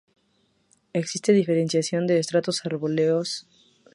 Existe diferenciación de estratos arbóreos lo cual determina la vegetación tipo selvática.